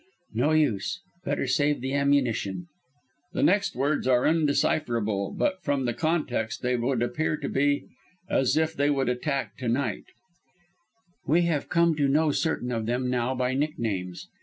No use; better save the ammunition. It looks...." [the next words are undecipherable, but from the context they would appear to be "as if they would attack to night"]"...we have come to know certain of them now by nicknames.